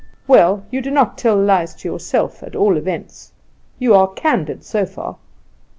"Well, you do not tell lies to yourself, at all events. You are candid, so far."